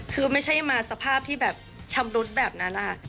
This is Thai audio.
คือไม่ใช่มาสภาพที่แบบชำรุดแบบนั้นนะคะ